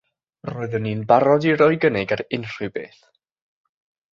Roeddwn i'n barod i roi cynnig ar unrhyw beth.